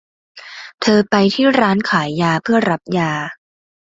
เธอไปที่ร้านขายยาเพื่อรับยา